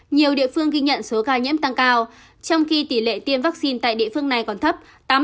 nhiều địa phương ghi nhận số ca nhiễm tăng cao trong khi tỷ lệ tiêm vaccine tại địa phương này còn thấp